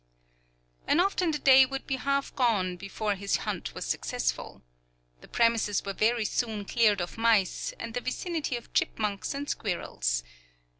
And often the day would be half gone before his hunt was successful. The premises were very soon cleared of mice, and the vicinity of chipmunks and squirrels.